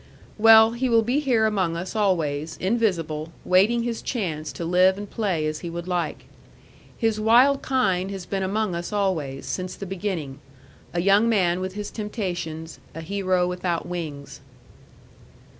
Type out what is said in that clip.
Well, he will be here among us always, invisible, waiting his chance to live and play as he would like. His wild kind has been among us always, since the beginning: a young man with his temptations, a hero without wings.